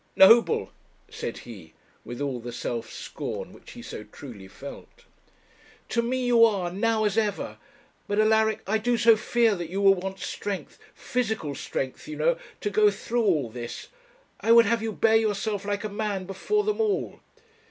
'Noble!' said he, with all the self scorn which he so truly felt. 'To me you are, now as ever; but, Alaric, I do so fear that you will want strength, physical strength, you know, to go through all this. I would have you bear yourself like a man before them all.'